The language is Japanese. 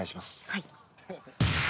はい。